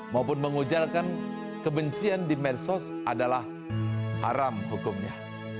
maupun mengujarkan kebencian di medsos adalah haram hukumnya